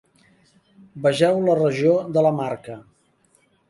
Vegeu la regió de la Marca.